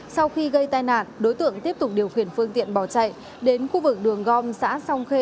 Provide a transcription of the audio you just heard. sau khi gây tai nạn đối tượng tiếp tục điều khiển phương tiện bỏ chạy đến khu vực đường gom xã song khê